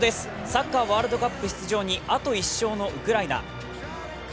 サッカーワールドカップ出場にあと１勝のウクライナ。